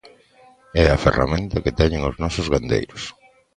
É a ferramenta que teñen os nosos gandeiros.